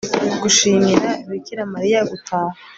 gushimira bikira mariya-gutaha